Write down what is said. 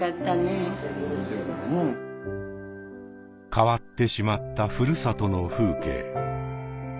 変わってしまった故郷の風景。